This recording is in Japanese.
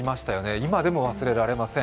今でも忘れられません。